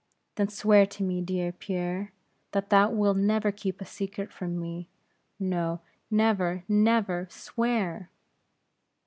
Then, swear to me, dear Pierre, that thou wilt never keep a secret from me no, never, never; swear!"